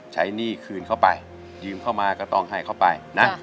หนี้คืนเข้าไปยืมเข้ามาก็ต้องให้เขาไปนะ